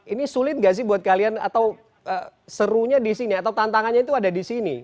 ini sulit nggak sih buat kalian atau serunya di sini atau tantangannya itu ada di sini